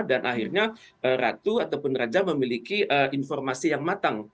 dan akhirnya ratu ataupun raja memiliki informasi yang matang